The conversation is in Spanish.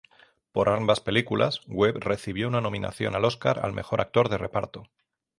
Por ambas películas Webb recibió una nominación al Oscar al mejor actor de reparto.